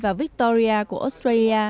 và victoria của australia